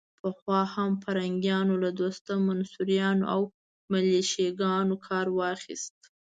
پخوا هم پرنګیانو له دوستم، منصوریانو او ملیشه ګانو کار واخيست.